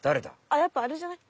あっやっぱあれじゃない？